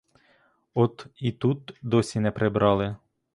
От і тут досі не прибрали.